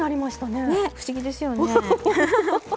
ね不思議ですよね。